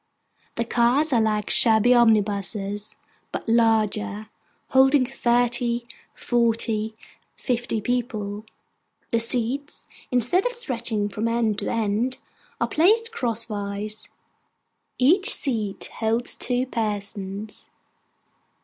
The cars are like shabby omnibuses, but larger: holding thirty, forty, fifty, people. The seats, instead of stretching from end to end, are placed crosswise. Each seat holds two persons.